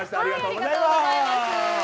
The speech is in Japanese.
ありがとうございます。